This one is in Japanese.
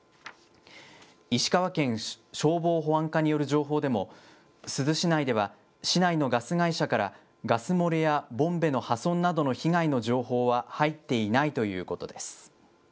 石川県消防保安課による情報でも、珠洲市内では市内のガス会社から、ガス漏れやボンベの破損などの被害の情報は入っていないということです。